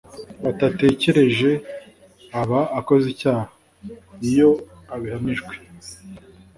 batatekereje aba akoze icyaha. iyo abihamijwe